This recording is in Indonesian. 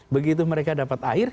begitu mereka dapat air